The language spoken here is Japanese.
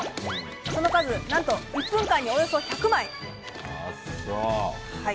その数１分間におよそ１００枚。